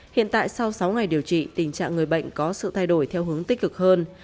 hiện tại sau sáu ngày điều trị tình trạng người bệnh có sự thay đổi theo hướng tích cực hơn